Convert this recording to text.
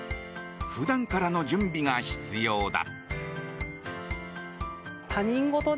普段からの準備が必要だ。